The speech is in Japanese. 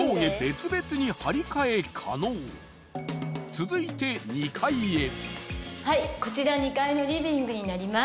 続いて２階へこちら２階のリビングになります。